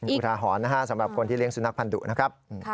อุทาหรณ์นะฮะสำหรับคนที่เลี้ยสุนัขพันธุนะครับ